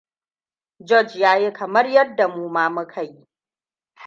Goerge ya yi kamar yadda mu ma muka yi.